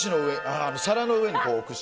皿の上に置くし。